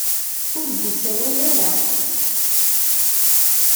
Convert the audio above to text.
Ur d-isawal ara.